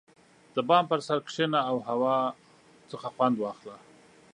• د بام پر سر کښېنه او هوا خوند واخله.